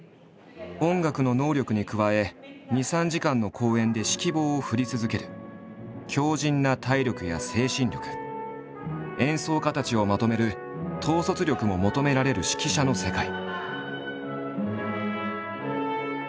音楽の能力に加え２３時間の公演で指揮棒を振り続ける強靭な体力や精神力演奏家たちをまとめる統率力も求められる指揮者の世界。